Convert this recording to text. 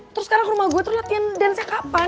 terus sekarang ke rumah gue latihan dan saya kapan